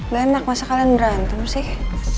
gak enak masa kalian berantem sih